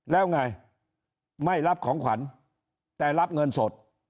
แล้วไงไม่รับของขวัญแต่รับเงินสด